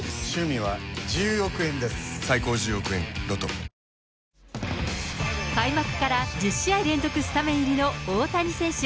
「パーフェクトホイップ」開幕から１０試合連続スタメン入りの大谷選手。